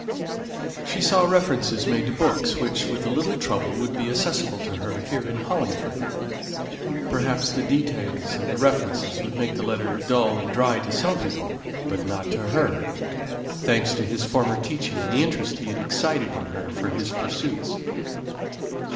She saw references made to books, which, with a little trouble, would be accessible to her here in Hollingford. Perhaps the details and the references would make the letter dull and dry to some people, but not to her, thanks to his former teaching and the interest he had excited in her for his pursuits.